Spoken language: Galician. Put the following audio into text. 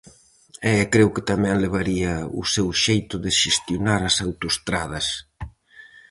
E creo que tamén levaría o seu xeito de xestionar as autoestradas!